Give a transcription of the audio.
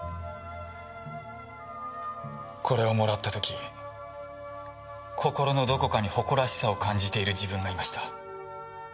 これをもらった時心のどこかに誇らしさを感じている自分がいました。